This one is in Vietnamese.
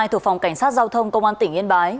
thuộc phòng cảnh sát giao thông công an tỉnh yên bái